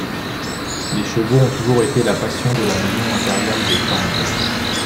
Les chevaux ont toujours été la passion de la maison impériale des Tang.